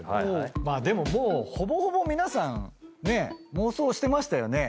まあでももうほぼほぼ皆さんね妄想してましたよね。